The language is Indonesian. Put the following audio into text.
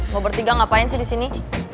mau bertiga ngapain sih di sini